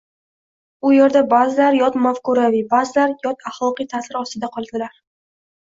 u yerda ba’zilari yot mafkuraviy, ba’zilari yot axloqiy ta’sir ostida qoldilar.